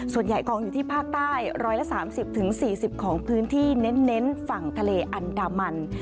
ส่วนใหญ่กองอยู่ที่ภาคใต้๑๓๐๔๐ของพื้นที่เน้นฝั่งทะเลอันดามัน